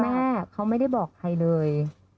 แม่เขาไม่ได้บอกใครเลย